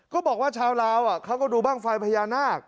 บอกว่าชาวลาวเขาก็ดูบ้างไฟพญานาค